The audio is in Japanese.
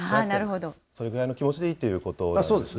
それぐらいの気持ちでいいとそうですね。